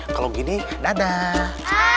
kalau gini dadah